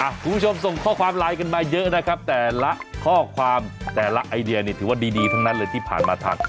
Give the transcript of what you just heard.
คุณผู้ชมส่งข้อความไลน์กันมาเยอะนะครับแต่ละข้อความแต่ละไอเดียนี่ถือว่าดีทั้งนั้นเลยที่ผ่านมาทาน